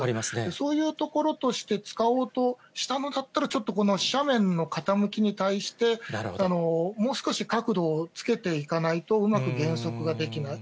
そういうところとして使おうとしたのだったら、ちょっと、斜面の傾きに対してもう少し角度をつけていかないと、うまく減速ができない。